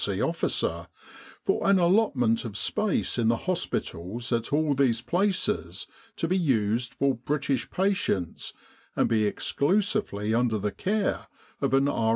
C. officer for an allotment of space in the hospitals at all these places, to be used for British patients and" be exclusively under the care of an R.